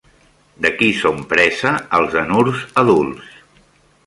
De qui són presa els anurs adults?